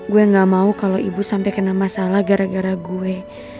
gue gak mau kalau ibu sampai kena masalah gara gara gue